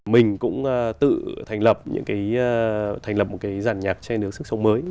mình cũng tự thành lập một cái giàn nhạc che nứa sức sống mới